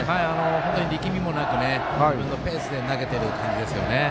力みもなく自分のペースで投げてる感じです。